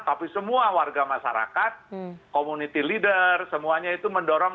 tapi semua warga masyarakat community leader semuanya itu mendorong